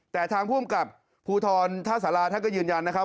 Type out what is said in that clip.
แต่ทางภูมิกับภูทรท่าสาราท่านก็ยืนยันนะครับ